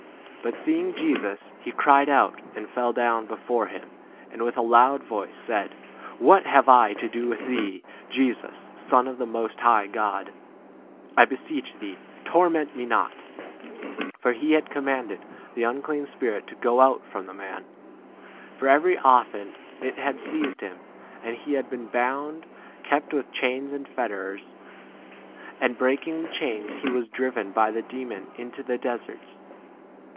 But seeing Jesus, he cried out, and fell down before him, and with a loud voice said, What have I to do with thee, Jesus, Son of the Most High God ? I beseech thee, torment me not. 29 For he had commanded the un clean spirit to go out from the man. For very often it had seized him,' and he had been bound, kept with chains and fetters, and breaking the chains he was driven by the demon into the deserts.